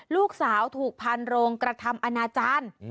ลูกสาวถูกพันโรงกระทำอนาจารย์